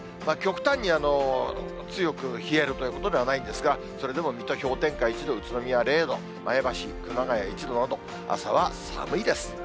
極端に強く冷えるということではないんですが、それでも水戸、氷点下１度、宇都宮０度、前橋、熊谷１度など、朝は寒いです。